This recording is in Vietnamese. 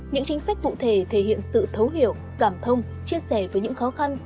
những chính sách cụ thể thể hiện sự thấu hiểu cảm thông chia sẻ với những khó khăn